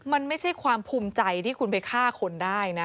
มันไม่ใช่ความภูมิใจที่คุณไปฆ่าคนได้นะ